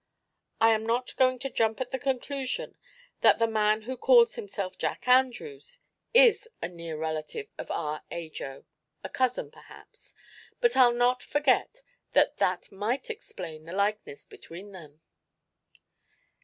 I'm not going to jump at the conclusion that the man who calls himself Jack Andrews is a near relative of our Ajo a cousin, perhaps but I'll not forget that that might explain the likeness between them.